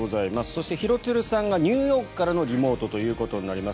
そして廣津留さんがニューヨークからのリモートということになります。